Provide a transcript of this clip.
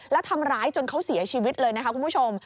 แล้วทำร้ายจนเขาเสียชีวิตเลยนะคะคุณผู้ชม